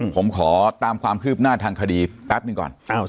ผมขอตามความคืบหน้าทางคดีแป๊บหนึ่งก่อน